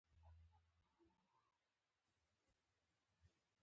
هندوکش د ځوانانو لپاره ډېره دلچسپي لري.